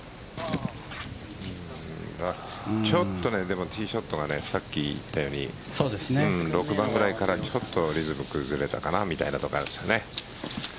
ちょっとティーショットがさっき言ったように６番ぐらいからちょっとリズムが崩れたかな